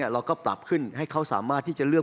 เราก็ปรับขึ้นให้เขาสามารถที่จะเลือก